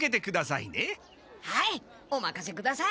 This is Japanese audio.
はいおまかせください！